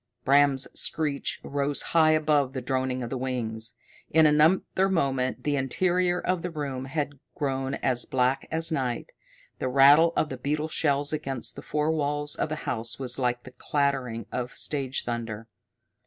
Bram's screech rose high above the droning of the wings. In another moment the interior of the room had grown as black as night. The rattle of the beetle shells against the four walls of the house was like the clattering of stage thunder.